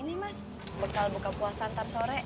ini mas bekal buka puas nanti sore